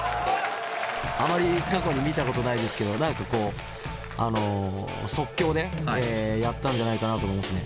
あまり過去に見たことないですけど何かこう即興でやったんじゃないかなと思いますね。